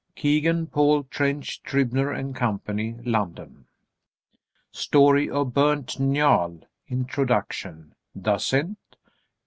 Kegan Paul, Trench, Trübner & Co., London. "Story of Burnt Njal" (Introduction), Dasent.